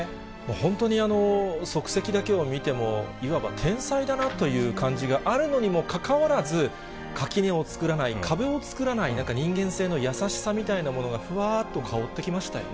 本当に足跡だけを見ても、いわば天才だなという感じがあるのにもかかわらず、垣根を作らない、壁を作らない人間性の優しさみたいなものがふわーっと香ってきましたよね。